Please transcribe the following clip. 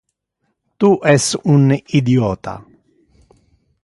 Tu es un idiota.